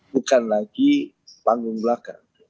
bukan lagi panggung belakang